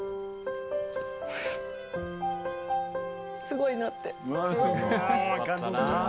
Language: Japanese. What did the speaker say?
すごいなって。